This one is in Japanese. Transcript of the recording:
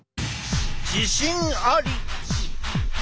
自信あり！